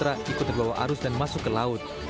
korban putra ikut terbawa arus dan masuk ke laut